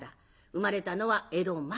生まれたのは江戸末期。